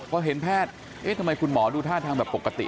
พอเห็นแพทย์เอ๊ะทำไมคุณหมอดูท่าทางแบบปกติ